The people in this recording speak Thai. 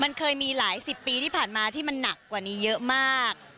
มันเคยมีหลายสิบปีที่ผ่านมาที่มันหนักกว่านี้เยอะมาก